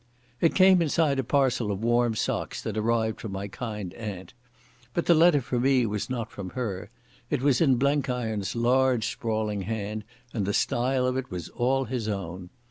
It came inside a parcel of warm socks that arrived from my kind aunt. But the letter for me was not from her. It was in Blenkiron's large sprawling hand and the style of it was all his own.